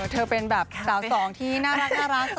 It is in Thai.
เธอเป็นแบบสาวสองที่น่ารักสไตล์หวานค่ะ